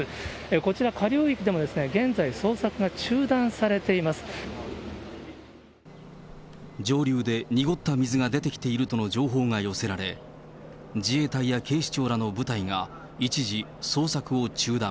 こちら、下流域でも現在、上流で濁った水が出てきているとの情報が寄せられ、自衛隊や警視庁らの部隊が一時、捜索を中断。